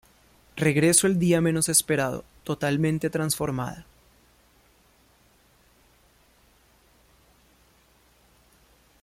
Regreso el día menos esperado, totalmente transformada.